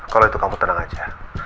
kalau itu kamu tenang aja